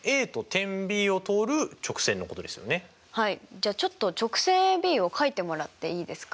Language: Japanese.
じゃあちょっと直線ＡＢを書いてもらっていいですか？